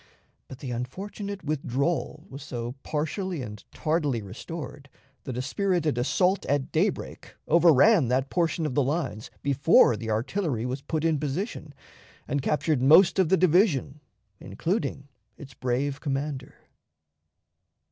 But the unfortunate withdrawal was so partially and tardily restored, that a spirited assault at daybreak overran that portion of the lines before the artillery was put in position, and captured most of the division, including its brave commander.